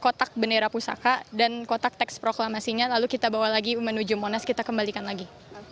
kotak bendera pusaka dan kotak teks proklamasinya lalu kita bawa lagi menuju monas kita kembalikan lagi